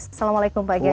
assalamualaikum pak gai